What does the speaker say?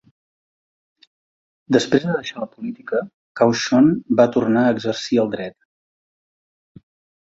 Després de deixar la política, Cauchon va tornar a exercir el dret.